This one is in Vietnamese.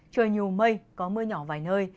trời nhiều mây có mưa nhỏ vài nơi